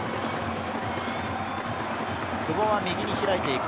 久保は右に開いていく。